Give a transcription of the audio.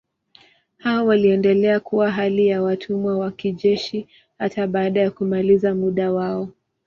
Hao waliendelea kuwa hali ya watumwa wa kijeshi hata baada ya kumaliza muda wao.